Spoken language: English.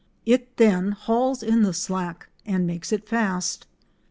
It then hauls in the slack and makes it fast.